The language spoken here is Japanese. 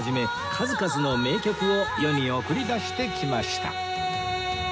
数々の名曲を世に送り出してきました